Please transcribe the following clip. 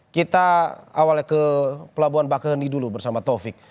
kita awalnya ke pelabuhan bakaheni dulu bersama taufik